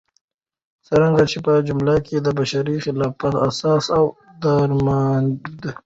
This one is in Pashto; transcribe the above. څرنګه چې په ځمكه كې دبشري خلافت اساس او دارمدار